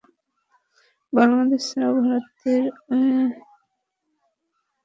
বাংলাদেশ ছাড়াও ভারতের ওয়েস্টার্ন ঘাট, দেরাদুন, আসাম এবং মিয়ানমারে দেখা যায়।